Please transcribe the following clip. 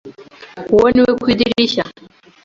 Uwo ni we ku idirishya.